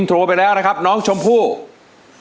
โปรดติดตามต่อไป